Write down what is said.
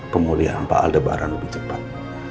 pemulihan pak aldebaran lebih cepat